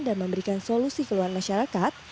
dan memberikan solusi keluaran masyarakat